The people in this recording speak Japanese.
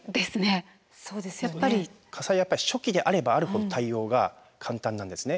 火災はやっぱり初期であればあるほど対応が簡単なんですね。